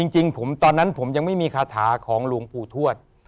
จริงตอนนั้นผมยังไม่มีคาถาของหลวงปู่ทวด